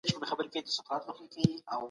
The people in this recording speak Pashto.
دغه سړی ډېر ليري ولاړی.